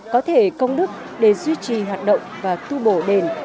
có thể công đức để duy trì hoạt động và tu bổ đền